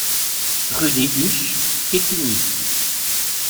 Rue des Huches, Quetigny